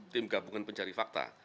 tim gabungan pencari fakta